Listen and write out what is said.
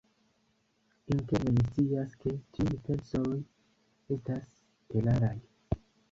Interne mi scias ke tiuj pensoj estas eraraj.